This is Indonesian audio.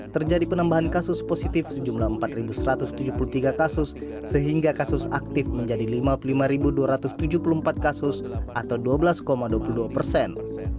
terjadi penambahan kasus positif sejumlah empat satu ratus tujuh puluh tiga kasus sehingga kasus aktif menjadi lima puluh lima dua ratus tujuh puluh empat kasus atau dua belas dua puluh dua persen